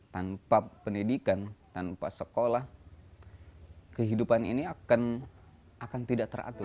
tanpa pendidikan tanpa sekolah kehidupan ini akan tidak teratur